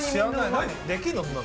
できんの？